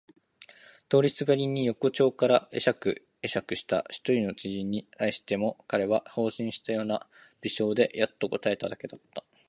通りすがりに横町から会釈えしゃくした一人の知人に対しても彼は放心したような微笑でやっと答えただけだった。